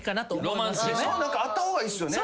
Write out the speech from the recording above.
何かあった方がいいっすよね？